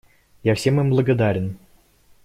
Я всем им благодарен.